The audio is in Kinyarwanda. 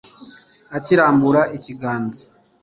akirambura ikiganza